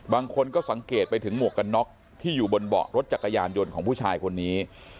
บางคนก็สังเกตไปถึงหมวกกันน็อกที่อยู่บนเบาะรถจักรยานยนต์ของผู้ชายคนนี้